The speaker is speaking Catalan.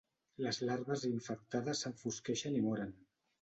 Les larves infectades s'enfosqueixen i moren.